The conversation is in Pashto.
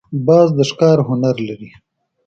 باز د ښکار هنر لري